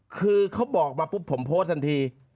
คือเขาบอกมาปุ๊บผมโพสต์ทันที